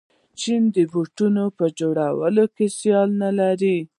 چین د بوټانو په جوړولو کې سیال نلري.